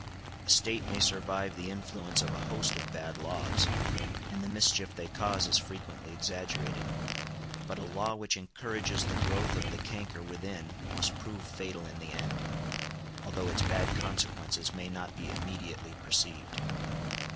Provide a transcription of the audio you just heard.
A State may survive the influence of a host of bad laws, and the mischief they cause is frequently exaggerated; but a law which encourages the growth of the canker within must prove fatal in the end, although its bad consequences may not be immediately perceived.